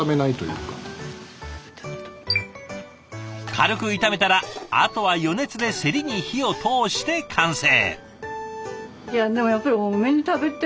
軽く炒めたらあとは余熱でせりに火を通して完成。